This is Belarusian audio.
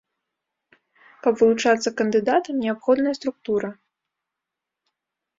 Каб вылучацца кандыдатам, неабходная структура.